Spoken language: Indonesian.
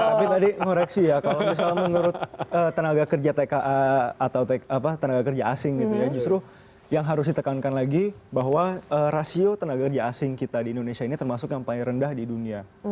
tapi tadi ngoreksi ya kalau misalnya menurut tenaga kerja tka atau tenaga kerja asing gitu ya justru yang harus ditekankan lagi bahwa rasio tenaga kerja asing kita di indonesia ini termasuk yang paling rendah di dunia